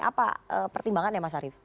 apa pertimbangan ya mas arief